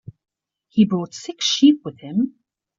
He brought six sheep with him.